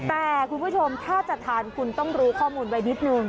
แต่คุณผู้ชมถ้าจะทานคุณต้องรู้ข้อมูลไว้นิดนึง